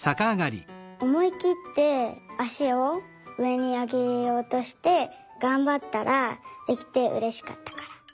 おもいきってあしをうえにあげようとしてがんばったらできてうれしかったから。